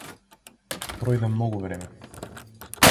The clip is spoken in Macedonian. Пројде многу време.